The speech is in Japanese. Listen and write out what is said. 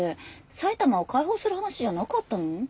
埼玉を解放する話じゃなかったの？